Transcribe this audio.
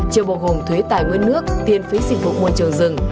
chưa bao gồm thuê tài nguyên nước tiền phí sinh vụ môi trường rừng